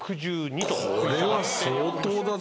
これは相当だぞ。